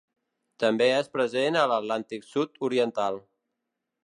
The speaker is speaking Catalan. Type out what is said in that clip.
També és present a l'Atlàntic sud-oriental.